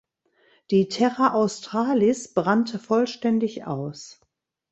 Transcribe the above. Die "Terra Australis" brannte vollständig aus.